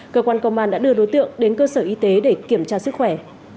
cơ quan công an đã đưa đối tượng đến cơ sở y tế để kiểm tra sức khỏe